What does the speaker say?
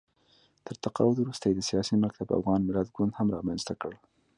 تر تقاعد وروسته یې د سیاسي مکتب افغان ملت ګوند هم رامنځته کړ